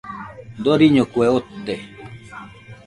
Doriño kue ote.